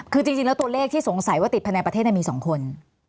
คือจริงแล้วตัวเลขที่สงสัยว่าติดภายในประเทศมี๒คน